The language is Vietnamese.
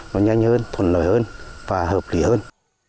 nó nhanh hơn thuận lợi hơn và hợp lý hơn